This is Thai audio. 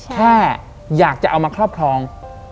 แค่อยากจะเอามาครอบครอง